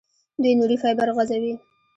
دوی نوري فایبر غځوي.